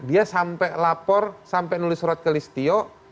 dia sampai lapor sampai nulis surat ke listio